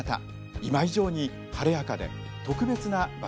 今以上に晴れやかで特別な場所でした。